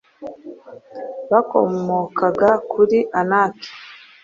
bakomokaga kuri anaki